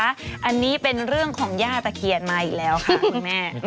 อันนี้เป็นเรื่องของย่าตะเคียนมาอีกแล้วค่ะคุณแม่